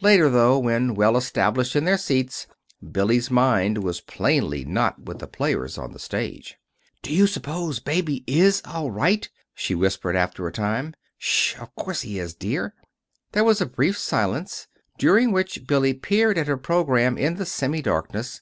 Later, though, when well established in their seats, Billy's mind was plainly not with the players on the stage. "Do you suppose Baby is all right?" she whispered, after a time. "Sh h! Of course he is, dear!" There was a brief silence, during which Billy peered at her program in the semi darkness.